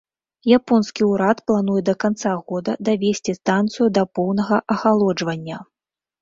Японскі ўрад плануе да канца года давесці станцыю да поўнага ахалоджвання.